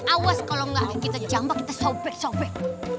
awas kalau nggak kita jambah kita sobek sobek